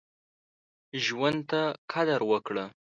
ژوند ته قدر وکړه.